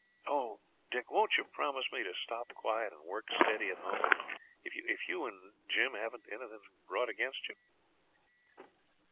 Oh! Dick, won't you promise me to stop quiet and work steady at home, if you if you and Jim haven't anything brought against you?'